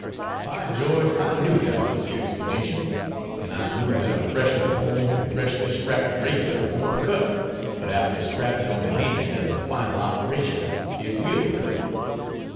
By George I knew that was the explanation. And I knew that a freshly honed and freshly strapped razor won't cut, but after strapping on the hand as a final operation, it will cut.